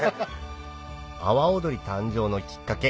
阿波おどり誕生のきっかけ